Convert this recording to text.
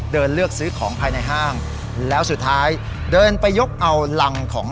เลือกซื้อของภายในห้างแล้วสุดท้ายเดินไปยกเอารังของ